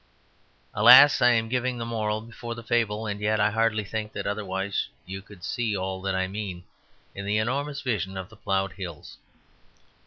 Alas! I am giving the moral before the fable; and yet I hardly think that otherwise you could see all that I mean in that enormous vision of the ploughed hills.